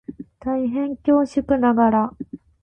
大変恐縮ながら